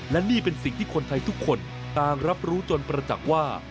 และนี่เป็นสิ่งที่คนไทยทุกคนต่างรับรู้จนประจักษ์ว่า